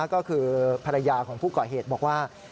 ก็คือภรรยาของผู้ก่อเหตุบอกว่า